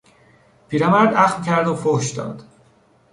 پیرمرد اخم کرد و فحش داد.